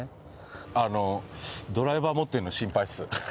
ドライバー持ってるの心配です。